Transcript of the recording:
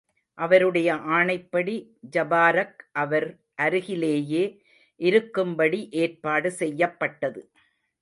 அவருடைய ஆணைப்படி, ஜபாரக் அவர் அருகிலேயே இருக்கும்படி ஏற்பாடு செய்யப்பட்டது.